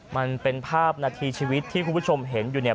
มันเป็นภาพนาทีชีวิตที่คุณผู้ชมเห็นอยู่เนี่ย